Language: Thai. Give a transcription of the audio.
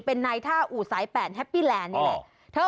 เป็นนายท่าอู่สาย๘แฮปปี้แลนด์นี่แหละ